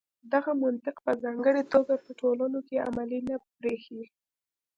دغه منطق په ځانګړې توګه په ټولنو کې عملي نه برېښي.